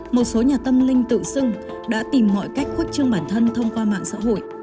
một số nhà tâm linh tự xưng đã tìm mọi cách khuất trương bản thân thông qua mạng xã hội